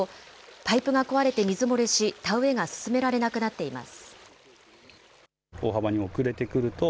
パイプが壊れて水漏れし、田植えが進められなくなっています。